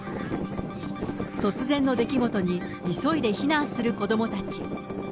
突然の出来事に、急いで避難する子どもたち。